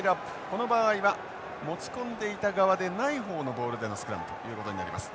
この場合は持ち込んでいた側でない方のボールでのスクラムということになります。